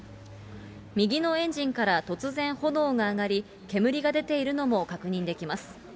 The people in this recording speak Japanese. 右のエンジンから突然、炎が上がり、煙が出ているのも確認できます。